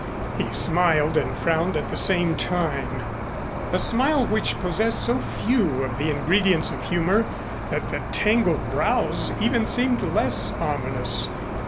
He smiled and frowned at the same time a smile which possessed so few of the ingredients of humor that the tangled brows even seemed less ominous.